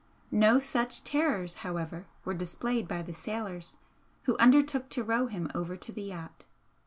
No such terrors, however, were displayed by the sailors who undertook to row him over to the yacht.